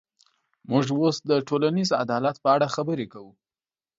موږ اوس د ټولنیز عدالت په اړه خبرې کوو.